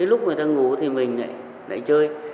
lúc người ta ngủ thì mình lại chơi